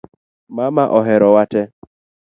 Mama oherowa te